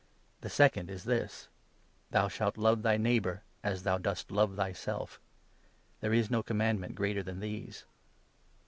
The second is this — 31 ' Thou shalt love thy neighbour as thou dost love thyself.' There is no commandment greater than these."